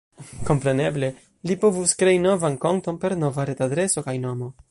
Kompreneble, li povus krei novan konton per nova retadreso kaj nomo.